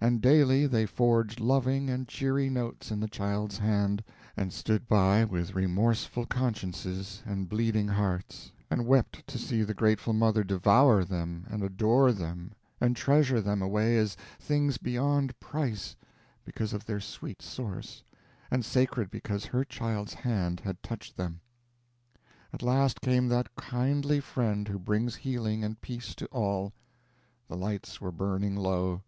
And daily they forged loving and cheery notes in the child's hand, and stood by with remorseful consciences and bleeding hearts, and wept to see the grateful mother devour them and adore them and treasure them away as things beyond price, because of their sweet source, and sacred because her child's hand had touched them. At last came that kindly friend who brings healing and peace to all. The lights were burning low.